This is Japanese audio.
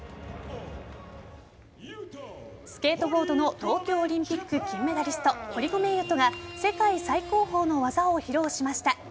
スケートボードの東京オリンピック金メダリスト堀米雄斗が世界最高峰の技を披露しました。